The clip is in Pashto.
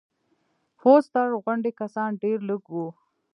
فوسټر غوندې کسان ډېر لږ وو.